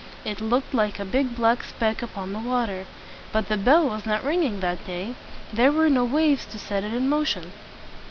It looked like a big black speck upon the water. But the bell was not ringing that day. There were no waves to set it in motion.